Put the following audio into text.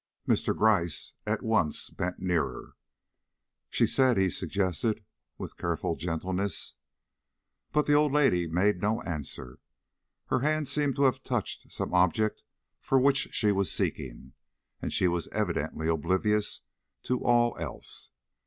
Mr. Gryce at once bent nearer. "She said " he suggested, with careful gentleness. But the old lady made no answer. Her hand seemed to have touched some object for which she was seeking, and she was evidently oblivious to all else.